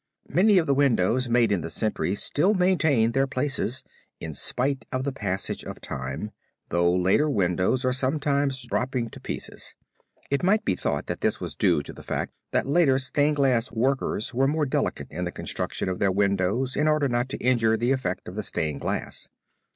Many of the windows made in the century still maintain their places, in spite of the passage of time, though later windows are sometimes dropping to pieces. It might be thought that this was due to the fact that later stained glass workers were more delicate in the construction of their windows in order not to injure the effect of the stained glass.